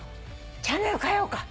チャンネルをかえようか？